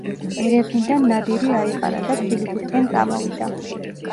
ერევნიდან ნადირი აიყარა და თბილისისკენ წამოვიდა.